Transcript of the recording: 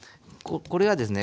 これはですね